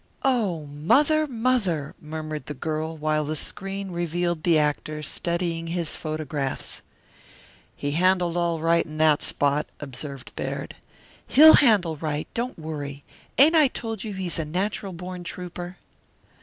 "Oh, Mother, Mother!" murmured the girl while the screen revealed the actor studying his photographs. "He handled all right in that spot," observed Baird. "He'll handle right don't worry. Ain't I told you he's a natural born trouper?"